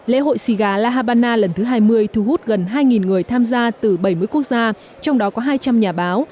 lễ hội xì gà la habana lần thứ hai mươi thu hút gần hai người tham gia từ bảy mươi quốc gia trong đó có hai trăm linh nhà báo